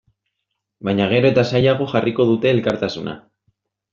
Baina gero eta zailago jarriko dute elkartasuna.